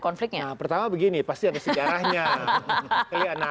konfliknya pertama begini pasti ada sejarahnya